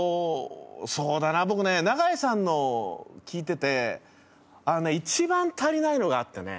そうだな僕ね永井さんのを聞いててあのね一番足りないのがあってね